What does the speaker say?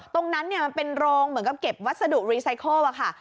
ตรงนั้นมันเป็นโรงเหมือนกับเก็บวัสดุรีไซเคิลค่ะ